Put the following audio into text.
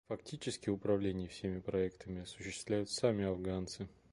Фактически управление всеми проектами осуществляют сами афганцы.